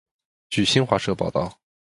据新华社报道